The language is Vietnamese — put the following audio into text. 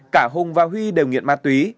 cả hùng và huy đều nghiện ma túy